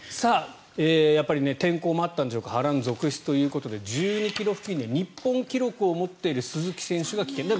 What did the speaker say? やっぱり天候もあったんでしょうか波乱続出ということで１２ｋｍ付近で日本記録を持っている鈴木選手が棄権。